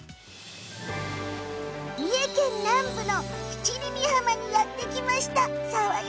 三重県南部の七里御浜にやって来ました。